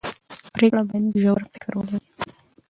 پرېکړې باید ژور فکر ولري